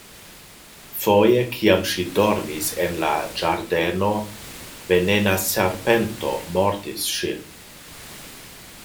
Foje, kiam ŝi dormis en la ĝardeno, venena serpento mordis ŝin.